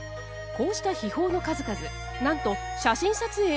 こうした秘宝の数々なんと写真撮影ＯＫ。